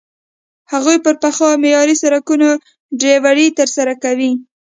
هغوی پر پخو او معیاري سړکونو ډریوري ترسره کوي.